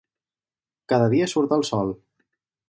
Cada dia surt el sol.